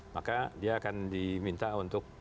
maka dia akan diminta untuk